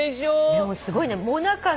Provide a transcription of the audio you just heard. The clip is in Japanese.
でもすごいね。